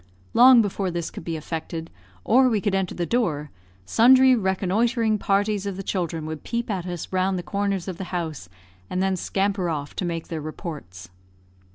Long before this could be effected, or we could enter the door, sundry reconnoitring parties of the children would peep at us round the corners of the house, and then scamper off to make their reports.